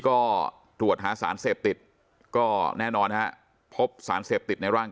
ก็ตรวจหาสารเสพติดก็แน่นอนฮะพบสารเสพติดในร่าง